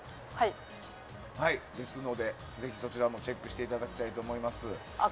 ですので、ぜひそちらもチェックしていただきたいと思います。